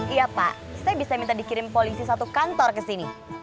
iya pak saya bisa minta dikirim polisi satu kantor ke sini